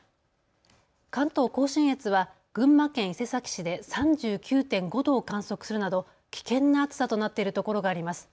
関東甲信越は群馬県伊勢崎市で３９．５度を観測するなど危険な暑さとなっている所があります。